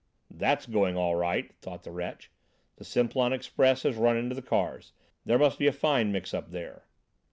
"That's going all right," thought the wretch; "the Simplon express has run into the cars. There must be a fine mix up there."